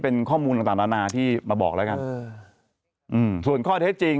เป็นข้อมูลต่างที่มาบอกแล้วกันเอออืมส่วนข้อให้จริง